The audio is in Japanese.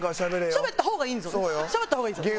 しゃべった方がいいんですね。